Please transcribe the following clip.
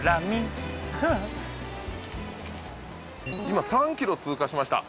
今３ｋｍ通過しました